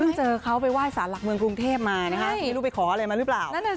เจอเขาไปไห้สารหลักเมืองกรุงเทพมานะคะไม่รู้ไปขออะไรมาหรือเปล่า